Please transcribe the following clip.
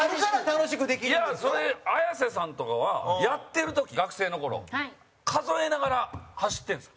後藤：綾瀬さんとかはやってる時、学生の頃数えながら走ってるんですか？